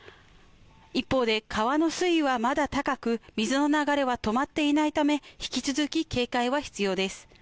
一方で川の水位はまだ高く水の流れは止まっていないため、引き続き警戒は必要です。